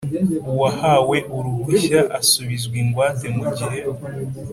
Uwahawe uruhushya asubizwa ingwate mu gihe